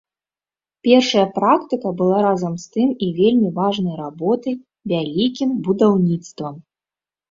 Першая практыка была разам з тым і вельмі важнай работай, вялікім будаўніцтвам.